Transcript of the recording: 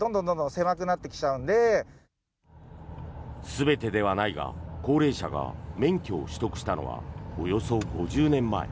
全てではないが高齢者が免許を取得したのはおよそ５０年前。